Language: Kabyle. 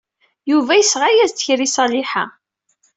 Yuba yesɣa-as-d kra i Ṣaliḥa.